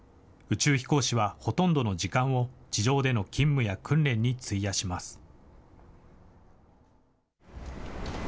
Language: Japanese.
宇宙飛行士はほとんどの時間を、地上での勤務や訓練に費やします。